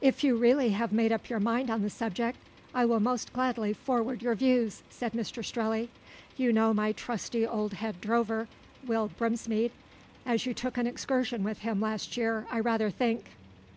"If you really have made up your mind on the subject, I will most gladly forward your views," said Mr Strelley. "You know my trusty old head drover, Will Brinsmead, as you took an excursion with him last year, I rather think.